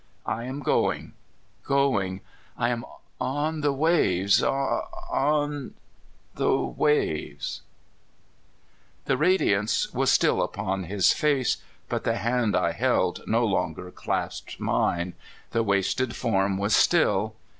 I am going going. I am on the waves on the waves ." The radiance Avas still upon his face, but the hand I held no longer clasped mine the wasted form was still.